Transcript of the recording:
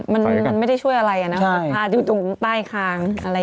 มันไม่ได้ช่วยอะไรนะวันอยู่ตรงใต้คาง